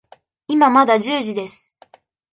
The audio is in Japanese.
今まだ十時です。